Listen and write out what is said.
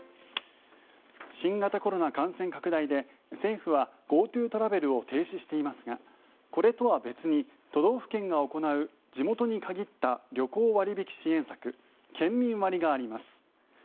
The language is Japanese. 新型コロナ感染拡大で政府はＧｏＴｏトラベルを停止していますがこれとは別に都道府県が行う、地元に限った旅行割引支援策県民割があります。